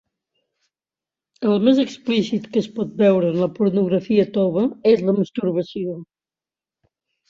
El més explícit que es pot veure en la pornografia tova és la masturbació.